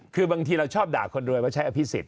คือบางทีเราชอบด่าคนรวยว่าใช้อภิษฎ